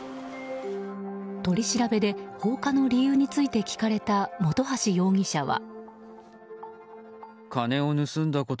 取り調べで、放火の理由について聞かれた本橋容疑者は。